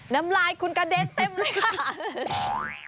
น้ำลายคุณกระเด็นเต็มเลยค่ะ